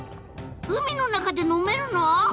海の中で飲めるの？